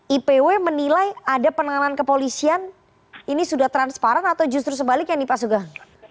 ipw menilai ada penanganan kepolisian ini sudah transparan atau justru sebaliknya nih pak sugeng